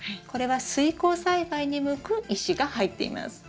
これは水耕栽培に向く石が入っています。